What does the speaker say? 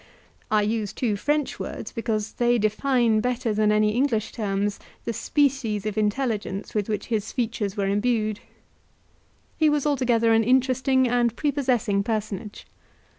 I use two French words because they define better than any English terms the species of intelligence with which his features were imbued. He was altogether an interesting and prepossessing personage.